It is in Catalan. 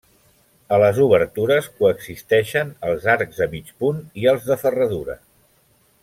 A les obertures coexisteixen els arcs de mig punt i els de ferradura.